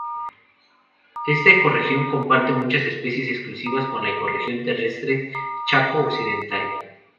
Esta ecorregión comparte muchas especies exclusivas con la ecorregión terrestre chaco occidental.